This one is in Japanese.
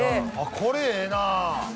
これええな！